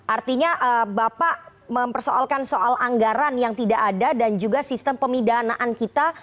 artinya bapak mempersoalkan soal anggaran yang tidak ada dan juga sistem pemidanaan kita